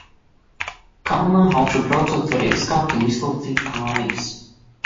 Kalnā augšup braucot varēja izkāpt un izlocīt kājas.